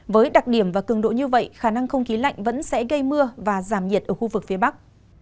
với đặc điểm và cường độ như vậy khả năng không khí lạnh vẫn sẽ gây mưa và giảm nhiệt ở khu vực phía bắc